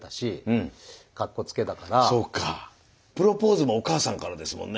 プロポーズもお母さんからですもんね。